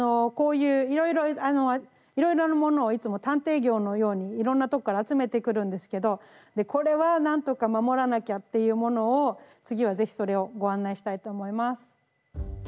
こういういろいろなものをいつも探偵業のようにいろんなとこから集めてくるんですけどでこれは何とか守らなきゃっていうものを次は是非それをご案内したいと思います。